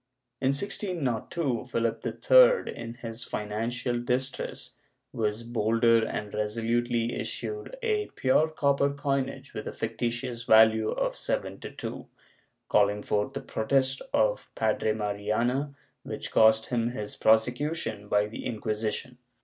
In 1602, Philip III, in his financial distress, was bolder and resolutely issued a pure copper coinage with a fictitious value of seven to two, calling forth the protest of Padre Mariana which cost him his prosecution by the Inquisition.